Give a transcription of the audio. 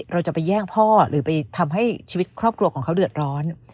เราจะไปแย่งพ่อหรือไปทำให้ชีวิตครอบครัวของเขาเดือดร้อน